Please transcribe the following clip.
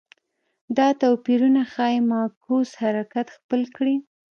دا توپیرونه ښايي معکوس حرکت خپل کړي